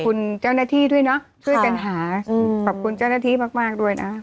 คุณเจ้าหน้าที่ด้วยเนอะช่วยกันหาอืมขอบคุณเจ้าหน้าที่มากมากด้วยนะ